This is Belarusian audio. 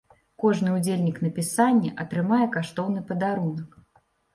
Кожны ўдзельнік напісання атрымае каштоўны падарунак.